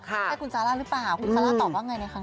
ใช่คุณซาร่าหรือเปล่าคุณซาร่าตอบว่าไงในครั้งนี้